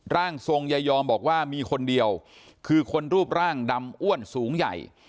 ร่างทรงยายอมบอกว่ามีคนเดียวคือคนรูปร่างดำอ้วนสูงใหญ่